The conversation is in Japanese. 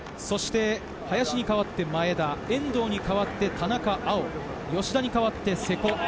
林に代わって前田、遠藤に代わって田中碧、吉田に代わって瀬古。